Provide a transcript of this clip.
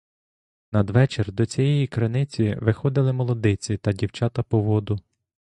Надвечір до цієї криниці виходили молодиці та дівчата по воду.